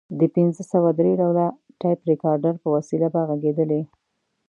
د پنځه سوه درې ډوله ټیپ ریکارډر په وسیله به غږېدلې.